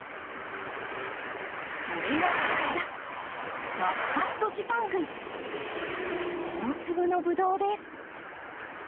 それがこちら大粒のブドウです。